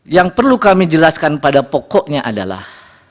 yang perlu kami jelaskan pada pokoknya adalah